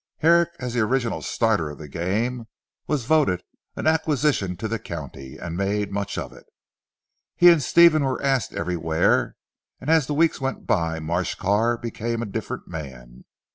Herrick as the original starter of the game was voted an acquisition to the county and made much of. He and Stephen were asked everywhere and as the weeks went by Marsh Carr became a different man.